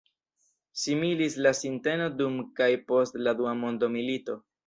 Similis la sinteno dum kaj post la dua mondomilito.